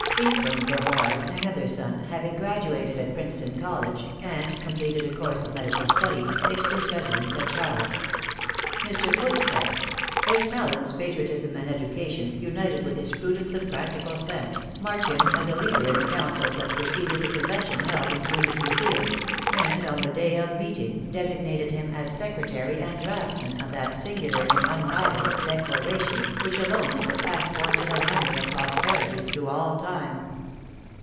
Ephraim Brevard, another son, having graduated at Princeton College, and completed a course of medical studies, fixed his residence at Charlotte. Mr. Foote says, "His talents, patriotism, and education, united with his prudence and practical sense, marked him as a leader in the councils that preceded the convention held in Queen's Museum; and on the day of meeting designated him as secretary and draughtsman of that singular and unrivalled declaration, which alone is a passport to the memory of posterity through all time."